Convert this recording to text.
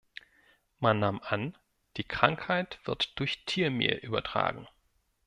Man nahm an, die Krankheit wird durch Tiermehl übertragen.